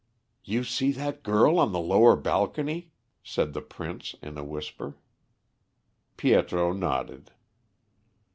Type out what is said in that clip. "You see that girl on the lower balcony," said the Prince in a whisper. Pietro nodded.